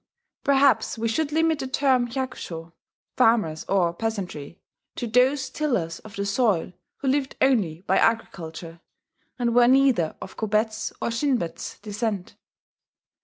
Perhaps we should limit the term hyakusho (farmers, or peasantry) to those tillers of the soil who lived only by agriculture, and were neither of Kobetsu nor Shinbetsu descent....